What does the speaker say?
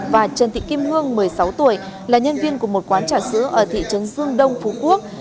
và trần thị kim hương một mươi sáu tuổi là nhân viên của một quán trà sữa ở thị trấn dương đông phú quốc